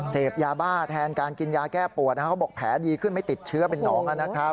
เสพยาบ้าแทนการกินยาแก้ปวดเขาบอกแผลดีขึ้นไม่ติดเชื้อเป็นน้องนะครับ